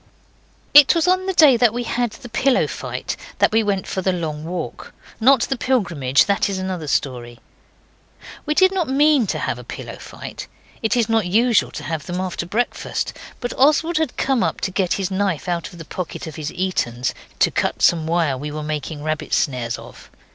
It was on the day we had the pillow fight that we went for the long walk. Not the Pilgrimage that is another story. We did not mean to have a pillow fight. It is not usual to have them after breakfast, but Oswald had come up to get his knife out of the pocket of his Etons, to cut some wire we were making rabbit snares of.